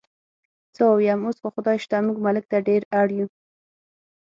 څه ووایم، اوس خو خدای شته موږ ملک ته ډېر اړ یو.